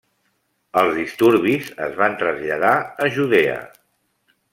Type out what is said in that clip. Els disturbis es van traslladar a Judea.